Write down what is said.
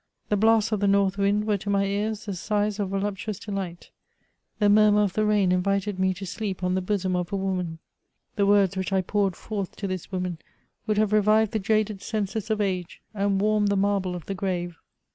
The blasts of the north wind were to my ears the sighs of voluptuous de light ; the murmur of the rain invited me to sleep on the bosom of a woman ; the words which I poured forth to this woman would have revived the jaded senses of age, and warmed the marble of the grave.